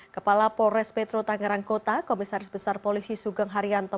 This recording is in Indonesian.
kepala polres metro tangerang kota komisaris besar polisi sugeng haryanto